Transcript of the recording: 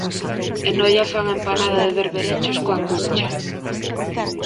En Noia fan a empanada de berberechos coa cuncha